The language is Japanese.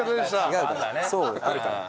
そうあるから。